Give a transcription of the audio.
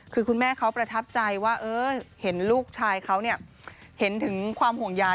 คือคุณแม่เขาประทับใจว่าเห็นลูกชายเขาเห็นถึงความห่วงยาย